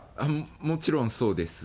もちろんそうです。